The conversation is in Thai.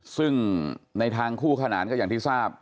ซึ่งในทางคู่ขนานก็อย่างที่ทราบ